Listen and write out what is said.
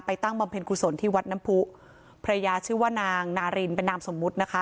ตั้งบำเพ็ญกุศลที่วัดน้ำผู้ภรรยาชื่อว่านางนารินเป็นนามสมมุตินะคะ